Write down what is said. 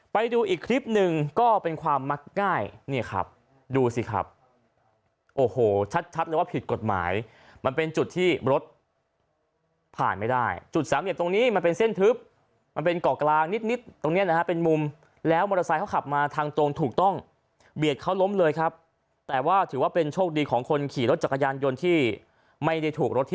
ไปดูอีกคลิปหนึ่งก็เป็นความมักง่ายเนี่ยครับดูสิครับโอ้โหชัดเลยว่าผิดกฎหมายมันเป็นจุดที่รถผ่านไม่ได้จุดสามเหลี่ยมตรงนี้มันเป็นเส้นทึบมันเป็นเกาะกลางนิดนิดตรงเนี้ยนะฮะเป็นมุมแล้วมอเตอร์ไซค์ขับมาทางตรงถูกต้องเบียดเขาล้มเลยครับแต่ว่าถือว่าเป็นโชคดีของคนขี่รถจักรยานยนต์ที่ไม่ได้ถูกรถที่